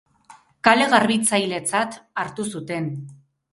Kale-garbitzailetzat hartu zuten.